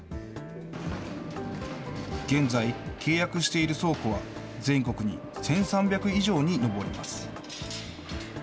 現在、契約している倉庫は、全国に１３００以上に上ります。